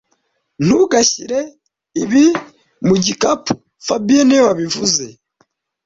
Ntugashyire ibi mu gikapu fabien niwe wabivuze